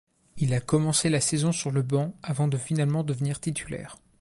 Il a commencé la saison sur le banc avant de finalement devenir titulaire.